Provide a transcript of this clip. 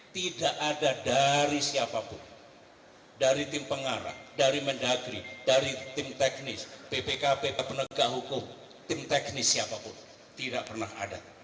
tidak ada dari siapapun dari tim pengarah dari mendagri dari tim teknis bpkp penegak hukum tim teknis siapapun tidak pernah ada